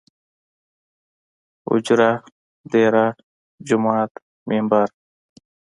اوجره ، ديره ،جومات ،ممبر